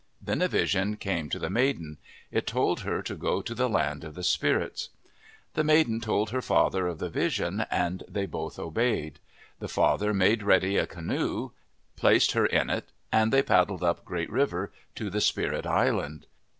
Then a vision came to the maiden. It told her to go to the land of the spirits. The maiden told her father of the vision and they both obeyed. The father made ready a canoe, placed her in it and they paddled up Great River to the spirit island.